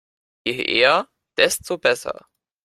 Je eher, desto besser.